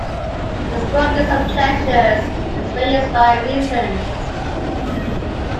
The strongest of pleasures is experienced by reason.